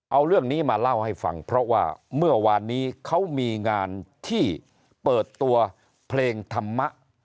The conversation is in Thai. เอาเรื่องนี้มาเล่าให้ฟังเพราะว่าเมื่อวานนี้เขามีงานที่เปิดตัวเพลงธรรมะ